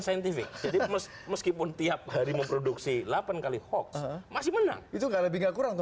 saintifik jadi meskipun tiap hari memproduksi delapan kali hoax masih menang itu nggak lebih nggak kurang